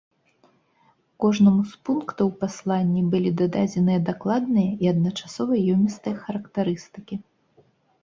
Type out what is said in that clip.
Кожнаму з пунктаў у пасланні былі дадзеныя дакладныя і адначасова ёмістыя характарыстыкі.